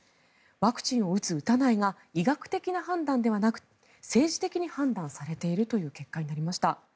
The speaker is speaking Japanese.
ワクチンを打つ、打たないが医学的な判断ではなく政治的に判断されているという結果になりました。